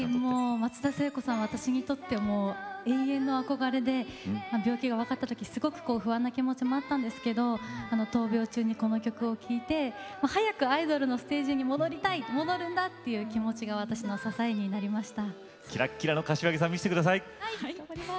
松田聖子さんは私にとって永遠の憧れで病気が分かったときすごく不安な気持ちもあったんですけど闘病中にこの曲を聴いて早くアイドルのステージに戻りたい戻るんだという気持ちが私の支えになりました。